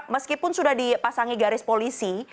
meskipun sudah dipasangi garis polisi